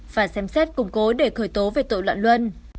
phải xem xét củng cố để khởi tố về tội loạn luân